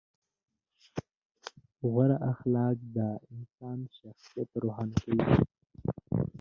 غوره اخلاق د انسان شخصیت روښانه کوي.